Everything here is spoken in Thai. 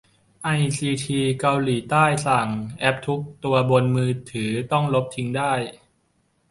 ไอซีทีเกาหลีใต้สั่ง แอปทุกตัวบนมือถือต้องลบทิ้งได้